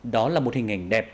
đó là một hình ảnh đẹp